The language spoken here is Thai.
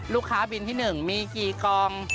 ลูกค้าบินที่๑มีกี่กอง